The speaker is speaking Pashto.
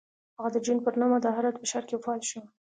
هغه د جون پر نهمه د هرات په ښار کې وفات شو.